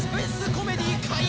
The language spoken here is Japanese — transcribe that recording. コメディー開幕！